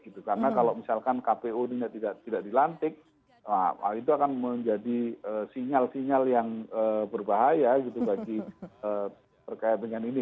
karena kalau misalkan kpu tidak dilantik itu akan menjadi sinyal sinyal yang berbahaya bagi perkayaan dengan ini